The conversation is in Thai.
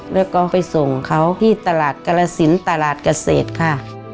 แล้วก็ไปส่งเขาที่ตลาดกรสินตลาดเกษตรค่ะ